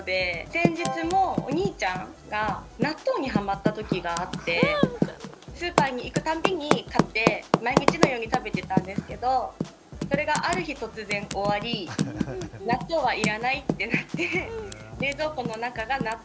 先日もお兄ちゃんが納豆にハマったときがあってスーパーに行くたんびに買って毎日のように食べてたんですけどそれがある日突然終わり納豆はいらないってなって冷蔵庫の中が納豆だらけになるっていう。